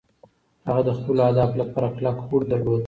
هغه د خپلو اهدافو لپاره کلک هوډ درلود.